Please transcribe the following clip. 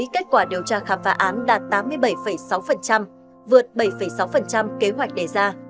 kết quả điều tra khám phá án đạt tám mươi bảy sáu vượt bảy sáu kế hoạch đề ra